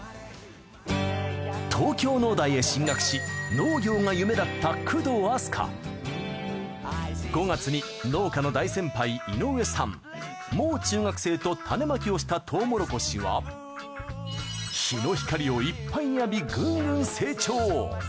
東京農大へ進学し、農業が夢だった工藤阿須加。５月に農家の大先輩、井上さん、もう中学生と種まきをしたトウモロコシは、日の光をいっぱいに浴び、ぐんぐん成長。